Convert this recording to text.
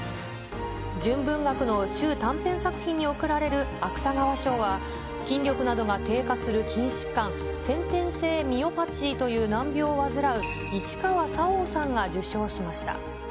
純文学の中短編作品に贈られる芥川賞は、筋力などが低下する筋疾患、先天性ミオパチーという難病を患う市川沙央さんが受賞しました。